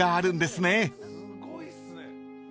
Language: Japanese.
すごいっすね。